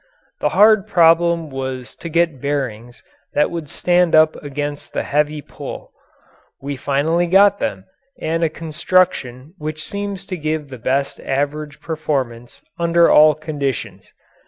The hard problem was to get bearings that would stand up against the heavy pull. We finally got them and a construction which seems to give the best average performance under all conditions.